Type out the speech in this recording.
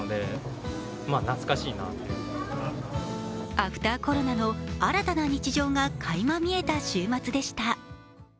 アフターコロナの新たな日常がかいま見えた週末でした。